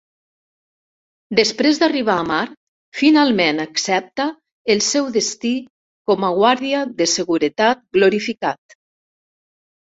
Després d'arribar a Mart, finalment accepta el seu destí com a "guàrdia de seguretat glorificat".